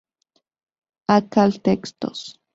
Akal Textos.